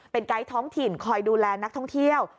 เป็นไกด์ท้องถิ่นคอยดูแลนักท่องเที่ยว